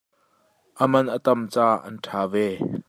A man a tam caah an ṭha ve.